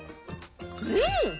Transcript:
うん！